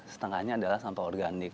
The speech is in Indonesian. setengahnya adalah sampah organik